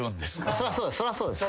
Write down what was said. そりゃそうです。